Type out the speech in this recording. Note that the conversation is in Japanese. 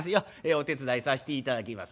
お手伝いさせていただきます。